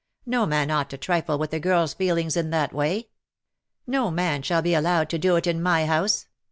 No man ought to trifle with a girl's feelings in that way. No man shall be allowed to do it in my house.